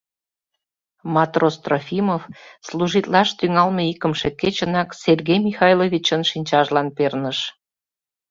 Матрос Трофимов служитлаш тӱҥалме икымше кечынак Сергей Михайловичын шинчажлан перныш.